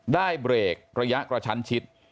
ได้เบรกระยะกระชั้นชิด